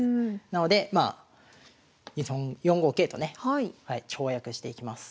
なのでまあ４五桂とね跳躍していきます。